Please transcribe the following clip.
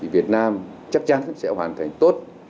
việt nam chắc chắn sẽ hoàn thành tốt